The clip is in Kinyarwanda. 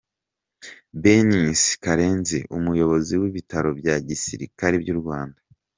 Benis Karenzi, umuyobozi w’ibitaro bya Gisirikare by’u Rwanda.